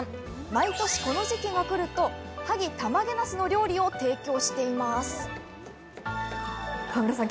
毎年この時期が来ると萩たまげなすの料理を提供しています河村さん